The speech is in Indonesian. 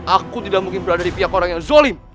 aku tidak mungkin berada di pihak orang yang zolim